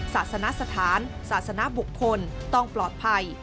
ศาสนสถานศาสนบุคคลต้องปลอดภัย